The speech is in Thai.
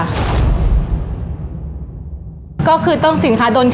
พี่หมวยถึงได้ใจอ่อนมั้งค่ะ